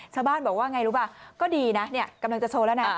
ชาวบ้านบอกว่าไงรู้ป่ะก็ดีนะกำลังจะโชว์แล้วนะ